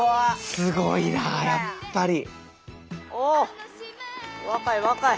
すごいなやっぱり。